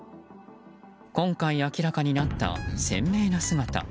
今回明らかになった鮮明な姿。